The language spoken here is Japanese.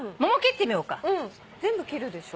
全部切るでしょ？